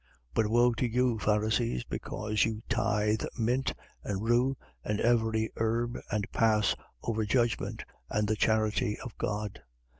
11:42. But woe to you, Pharisees, because you tithe mint and rue and every herb and pass over judgment and the charity of God.